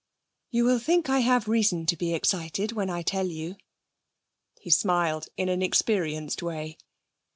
'You will think I have reason to be excited when I tell you.' He smiled in an experienced way.